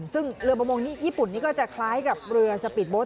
ซึ่งเรือประมงญี่ปุ่นนี่ก็จะคล้ายกับเรือสปีดโบส